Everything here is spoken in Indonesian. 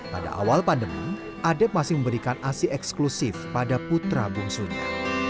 pada awal pandemi adep masih memberikan asi eksklusif pada putra bungsunya